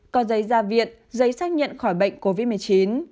có giấy gia viện giấy xác nhận khỏi bệnh covid một mươi chín